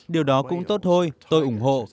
điều đó cũng tốt thôi tôi ủng hộ